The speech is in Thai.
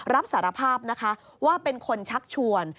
รับสารภาพนะคะว่าเป็นคนชักชวน